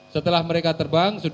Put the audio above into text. setelah mereka terbang